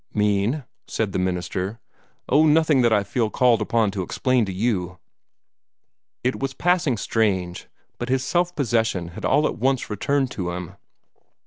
"Mean?" said the minister. "Oh, nothing that I feel called upon to explain to you." It was passing strange, but his self possession had all at once returned to him.